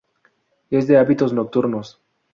Es de hábitos nocturnos.